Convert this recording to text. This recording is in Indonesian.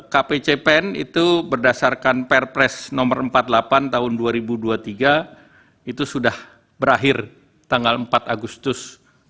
kpcpen itu berdasarkan perpres nomor empat puluh delapan tahun dua ribu dua puluh tiga itu sudah berakhir tanggal empat agustus dua ribu dua puluh